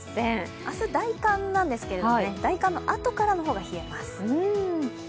明日、大寒なんですけども、大寒の後からの方が冷えます。